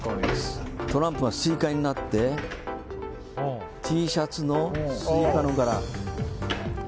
トランプがスイカになってＴシャツのスイカの柄。